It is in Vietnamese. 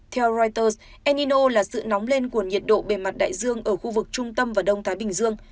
theo reuters enino là sự nóng lên của nhiệt độ bề mặt đại dương ở khu vực trung tâm và đông thái bình dương